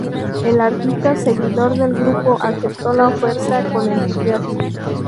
El artista, seguidor del grupo, aceptó la oferta con entusiasmo.